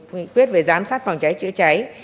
nghị quyết về giám sát phòng cháy chữa cháy